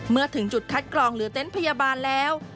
เมื่อถึงจุดคัดกรองหรือเต็นต์พยาบาลแล้ว